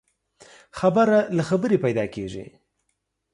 خبره له خبري پيدا کېږي.